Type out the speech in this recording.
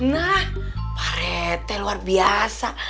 nah pak rt luar biasa